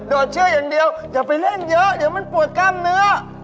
เชื่ออย่างเดียวอย่าไปเล่นเยอะเดี๋ยวมันปวดกล้ามเนื้อ